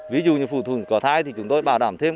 ví dụ như phụ thường có thai thì chúng tôi bảo đảm thêm